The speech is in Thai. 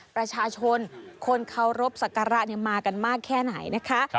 ประชาชนคนเคารพสักการะมากันมากแค่ไหนนะคะ